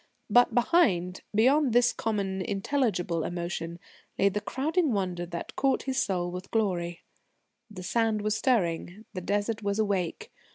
But behind, beyond this common, intelligible emotion, lay the crowding wonder that caught his soul with glory: The Sand was stirring, the Desert was awake.